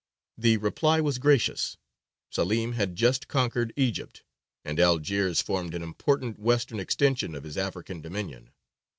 The reply was gracious. Selīm had just conquered Egypt, and Algiers formed an important western extension of his African dominion.